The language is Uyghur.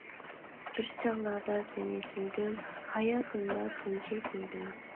بىر چاغلاردا سېنى سۆيدۈم، ھاياتىمدا تۇنجى كۆيدۈم.